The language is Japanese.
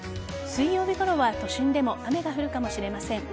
水曜日ごろは都心でも雨が降るかもしれません。